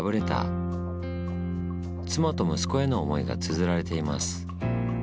妻と息子への思いがつづられています。